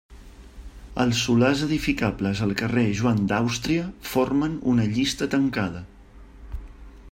Els solars edificables al carrer Joan d'Àustria formen una llista tancada.